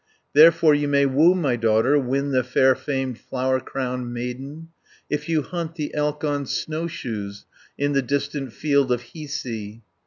Therefore you may woo my daughter, Win the far famed flower crowned maiden, If you hunt the elk on snowshoes, In the distant field of Hiisi."